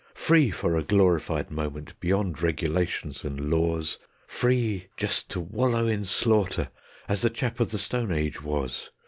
Free for a glorified moment, beyond regulations and laws, Free just to wallow in slaughter, as the chap of the Stone Age was.